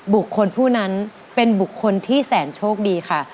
บุคคลผู้นั้นเป็นบุคคลที่แสนโชคดีค่ะ